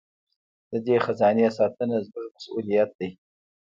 د دې خزانې ساتنه زموږ مسوولیت دی.